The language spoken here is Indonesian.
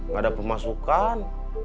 gak ada pemasukan